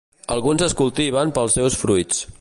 Alguns es cultiven pels seus fruits.